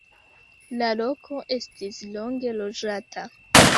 La loko estis longe loĝata.